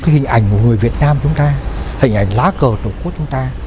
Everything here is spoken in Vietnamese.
hình ảnh của người việt nam chúng ta hình ảnh lá cờ tổng cốt chúng ta